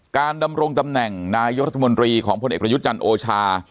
ดำรงตำแหน่งนายกรัฐมนตรีของพลเอกประยุทธ์จันทร์โอชา